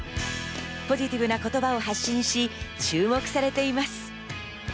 ポジティブな言葉を発信し、注目されています。